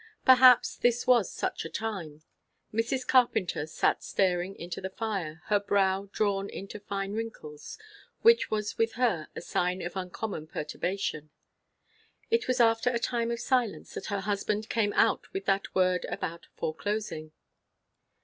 Perhaps this was such a time. Mrs. Carpenter sat staring into the fire, her brow drawn into fine wrinkles, which was with her a sign of uncommon perturbation. It was after a time of silence that her husband came out with that word about foreclosing.